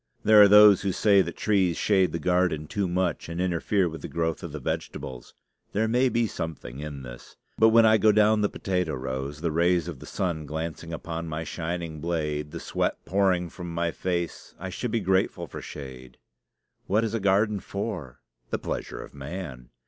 There are those who say that trees shade the garden too much and interfere with the growth of the vegetables. There may be something in this; but when I go down the potato rows, the rays of the sun glancing upon my shining blade, the sweat pouring from my face, I should be grateful for shade. What is a garden for? The pleasure of man.